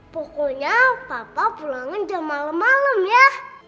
pokoknya papa pulangin jam malem malem ya